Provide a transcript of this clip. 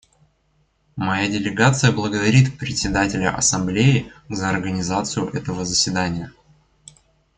Моя делегация благодарит Председателя Ассамблеи за организацию этого заседания.